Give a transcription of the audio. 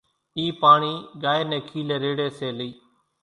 اِي پاڻي ڳائي ني کيلي ريڙي سي لئي۔